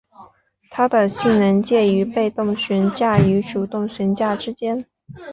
它的性能介于被动悬架与主动悬架之间。